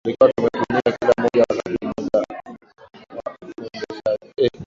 tulikuwa tumetumia kila moja Wakati mmoja mwendeshaji